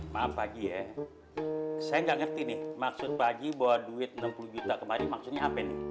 maaf pagi ya saya nggak ngerti nih maksud pagi bawa duit enam puluh juta kemarin maksudnya apa ini